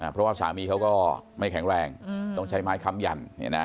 เพราะว่าสามีเขาก็ไม่แข็งแรงต้องใช้ไม้ค้ำยัน